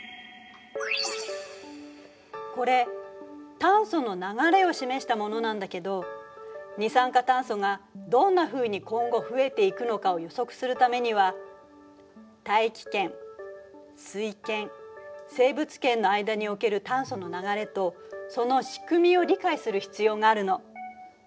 これ炭素の流れを示したものなんだけど二酸化炭素がどんなふうに今後増えていくのかを予測するためには大気圏水圏生物圏の間における炭素の流れとその仕組みを理解する必要があるの。